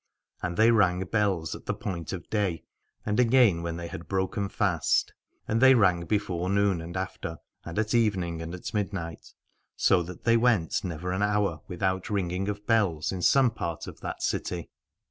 And they rang bells at the point of day, and again when they had broken fast : and they rang before noon and after, and at evening and at midnight, so that they went never an hour 159 Al adore without ringing of bells in some part of that city.